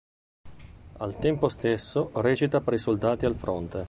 Al tempo stesso recita per i soldati al fronte.